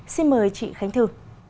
xin mời chị khánh thư